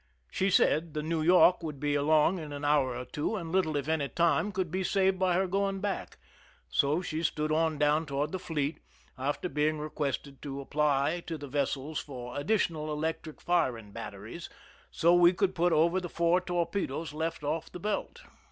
She said the New York would be 69 THE SINKING OF THE "MEREIMAC" along in an hour or two, and little if any time could be saved by her going back ; so she stood on down toward the fleet, after being requested to apply to the vessels for additional electric firing batteries, so we could put over the four torpedoes left off the belt.